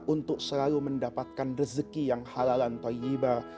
untuk selalu mendapatkan rezeki yang halalan toyiba